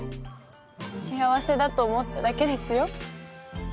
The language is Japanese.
幸せだと思っただけですよ。